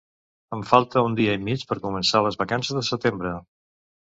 Em falta un dia i mig per començar les vacances de setembre